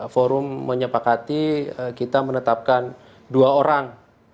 forum menyepakati kita menetapkan dua orang